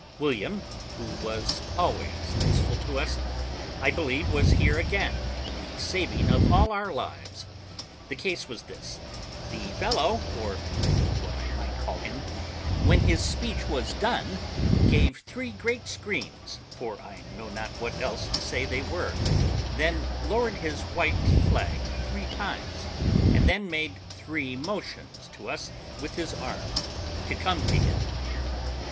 William, who was always useful to us, I believe was here again the saving of all our lives. The case was this: The fellow, or what I might call him, when his speech was done, gave three great screams (for I know not what else to say they were), then lowered his white flag three times, and then made three motions to us with his arm to come to him.